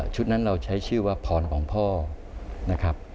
นั้นเราใช้ชื่อว่าพรของพ่อนะครับ